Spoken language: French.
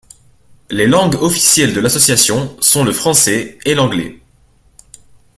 Les langues officielles de l'association sont le français et l'anglais.